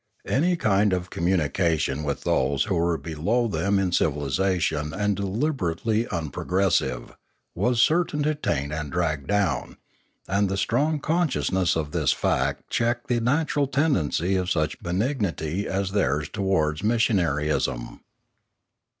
Any kind of communication with those who were below them in civilisation and deliberately unprogressive, was certain to taint and drag down, and the strong consciousness 564 Limanora of this fact checked the natural tendency of such be nignity as theirs towards missionaryism.